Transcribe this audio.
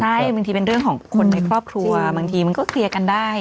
ใช่บางทีเป็นเรื่องของคนในครอบครัวบางทีมันก็เคลียร์กันได้